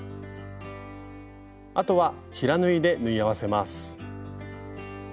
あとは平縫いで縫い合わせます。